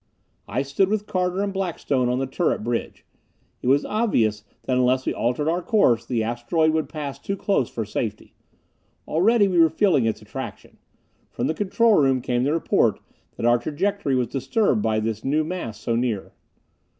I stood with Carter and Blackstone on the turret bridge. It was obvious that unless we altered our course, the asteroid would pass too close for safety. Already we were feeling its attraction; from the control rooms came the report that our trajectory was disturbed by this new mass so near.